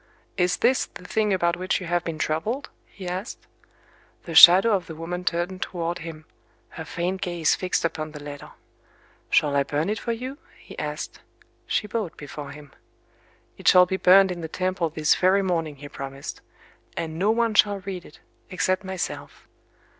"Is this the thing about which you have been troubled?" he asked. The shadow of the woman turned toward him,—her faint gaze fixed upon the letter. "Shall I burn it for you?" he asked. She bowed before him. "It shall be burned in the temple this very morning," he promised;—"and no one shall read it, except myself."